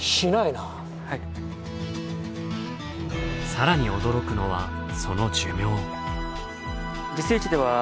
更に驚くのはその寿命。